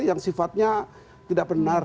yang sifatnya tidak benar